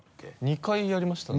２回やりましたね。